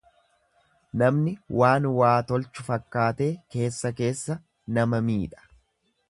Namni waan waa tolchu fakkaatee keessa keessa nama miidha.